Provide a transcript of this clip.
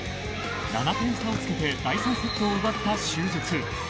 ７点差をつけて第３セットを奪った就実。